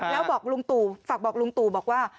แล้วบอกลุงตู่ฝากบอกลุงตู่บอกว่า